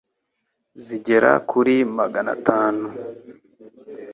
zigera kuri magana tanu,